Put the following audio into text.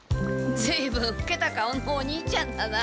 ずいぶんふけた顔のお兄ちゃんだな。